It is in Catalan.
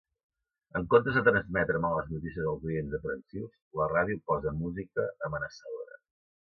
En comptes de transmetre males notícies als oients aprensius, la ràdio posa música amenaçadora.